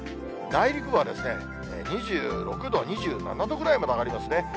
内陸部は２６度、２７度ぐらいまで上がりますね。